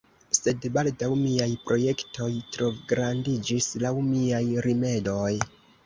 Sed baldaŭ miaj projektoj trograndiĝis laŭ miaj rimedoj.